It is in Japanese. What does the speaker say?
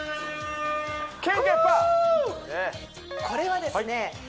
これはですね